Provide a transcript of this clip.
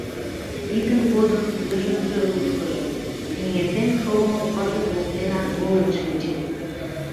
Тидын годым йыжыҥже лушкыш, эҥертен шогымо пырдыж воктенак волен шинче.